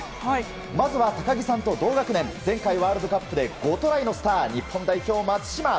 まずは、高木さんと同学年前回ワールドカップで５トライのスター日本代表、松島。